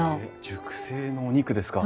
熟成のお肉ですか。